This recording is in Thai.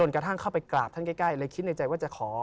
กลับท่านใกล้เลยคิดในใจว่าจะขอ